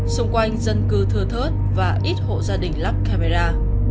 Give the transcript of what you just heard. xung quanh dân cư thừa thớt và ít hộ gia đình lắp camera